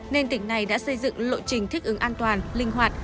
nên tỉnh này đã xây dựng lộ trình thích ứng an toàn linh hoạt